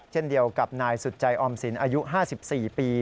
เช่นเดียวกับนายสุดใจออมสินอายุ๕๔ปี